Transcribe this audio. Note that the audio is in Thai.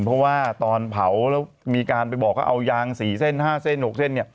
เพราะว่าตอนเผาแล้วมีการไปบอกว่าเอายาง๔เส้น๕เส้น๖เส้นเนี่ย